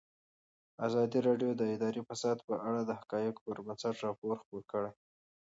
ازادي راډیو د اداري فساد په اړه د حقایقو پر بنسټ راپور خپور کړی.